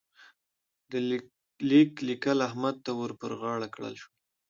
د ليک لیکل احمد ته ور پر غاړه کړل شول.